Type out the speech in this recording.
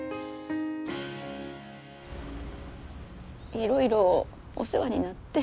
いろいろお世話になって。